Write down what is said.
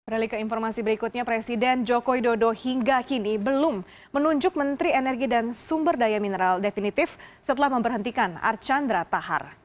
religi ke informasi berikutnya presiden joko widodo hingga kini belum menunjuk menteri energi dan sumber daya mineral definitif setelah memberhentikan archandra tahar